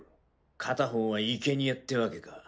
片方はいけにえってわけか。